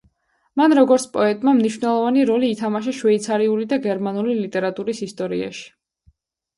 მან, როგორც პოეტმა, მნიშვნელოვანი როლი ითამაშა შვეიცარიული და გერმანული ლიტერატურის ისტორიაში.